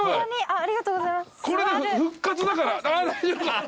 ありがとうございます。